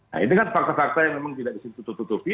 nah ini kan fakta fakta yang memang tidak ditutup tutupi